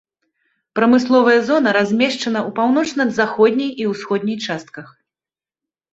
Прамысловая зона размешчана ў паўночна-заходняй і ўсходняй частках.